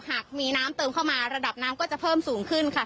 หากมีน้ำเติมเข้ามาระดับน้ำก็จะเพิ่มสูงขึ้นค่ะ